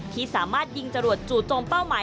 ที่สามารถยิงจรวดจู่โจมเป้าหมาย